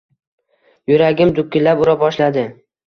Yuragim dukillab ura boshladi